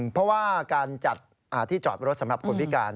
เพราะว่าการจัดที่จอดรถสำหรับคนพิการ